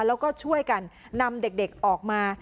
แล้วก็ช่วยกันนำเด็กออกมา